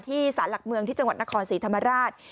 สารหลักเมืองที่จังหวัดนครศรีธรรมราช